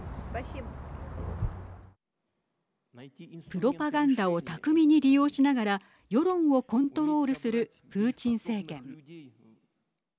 プロパガンダを巧みに利用しながら世論をコントロールするプーチン政権。